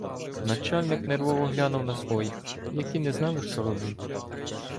Начальник нервово глянув на своїх, які не знали, що робити.